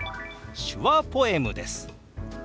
手話ポエムです。